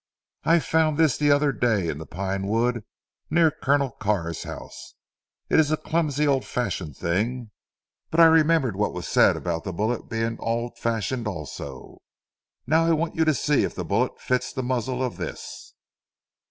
"I found this the other day in the Pine wood near Colonel Carr's house. It is a clumsy old fashioned thing; but I remembered what was said about the bullet being old fashioned also. Now I want you to see if the bullet fits the muzzle of this."